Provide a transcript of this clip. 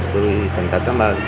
tôi thành thật cám ơn